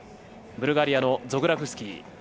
ブルガリアのゾグラフスキー。